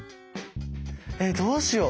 えどうしよう